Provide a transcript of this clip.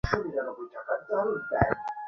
অল্পসংখ্যক অনুগামীরাই এই-জাতীয় কাগজের পৃষ্ঠপোষক হয়।